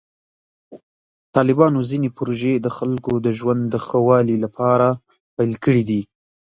طالبانو ځینې پروژې د خلکو د ژوند د ښه والي لپاره پیل کړې دي.